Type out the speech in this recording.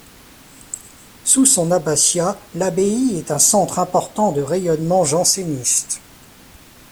Sous son abbatiat l’abbaye est un centre important de rayonnement janséniste.